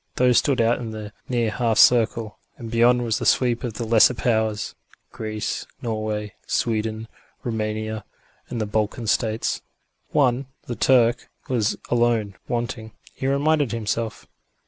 Those stood out in the near half circle, and beyond was the sweep of the lesser powers: Greece, Norway, Sweden, Roumania and the Balkan States. One, the Turk, was alone wanting, he reminded himself.